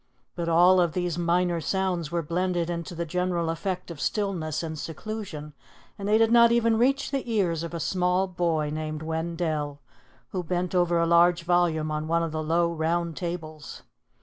But all of these minor sounds were blended into the general effect of stillness and seclusion; and they did not even reach the ears of a small boy named Wendell, who bent over a large volume on one of the low round tables.